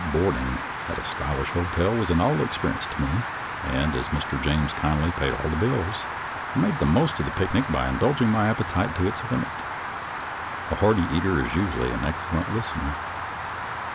Boarding at a stylish hotel was a novel experience to me, and as Mr. James kindly paid all the bills I made the most of the picnic by indulging my appetite to its limit. A hearty eater is usually an excellent listener.